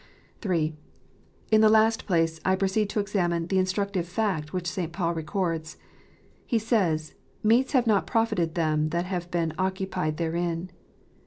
358 KNOTS UNTIED. III. In the last place, I proceed to examine the instructive fact which St. Paul records. He says, " Meats have not profited them that have been occupied therein."